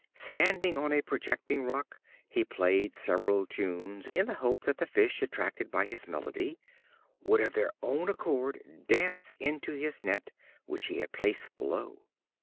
Standing on a projecting rock he played several tunes, in the hope that the fish, attracted by his melody, would of their own accord dance into his net, which he had placed below.